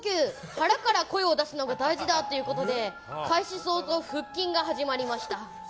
腹から声を出すのが大事だということで開始早々、腹筋が始まりました。